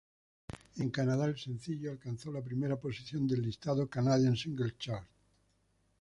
En Canadá, el sencillo alcanzó la primera posición del listado Canadian Singles Chart.